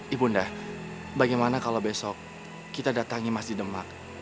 ibu bunda bagaimana kalau besok kita datangi masjid demak